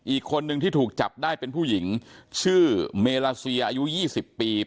อีกคนนึงที่ถูกจับได้เป็นผู้หญิงชื่อเมลาเซียอายุ๒๐ปี